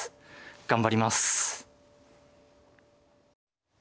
頑張ります。